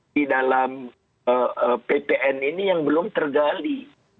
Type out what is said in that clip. di dalam ppn ini yang belum tergali